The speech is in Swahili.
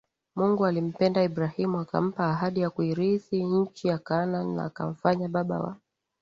Mungu alimpenda Ibrahimu akampa ahadi ya kuirithi nchi ya Kaanani na akamfanya Baba wa